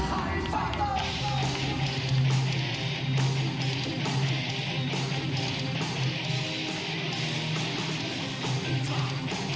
จากจังหวัดบุรีรัม